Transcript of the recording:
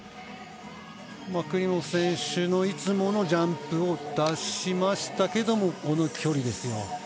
クリモフ選手のいつものジャンプを出しましたけどこの距離ですよ。